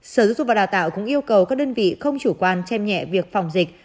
sở dục và đào tạo cũng yêu cầu các đơn vị không chủ quan chem nhẹ việc phòng dịch